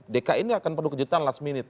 dki ini akan perlu kejutan last minute